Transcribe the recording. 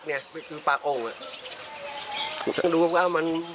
กลัวช่างที่ปากโอ่ง